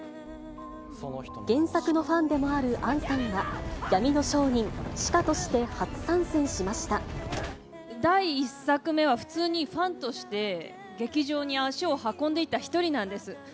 原作のファンでもある杏さんは、闇の商人、第１作目は普通にファンとして、劇場に足を運んでいた１人なんです。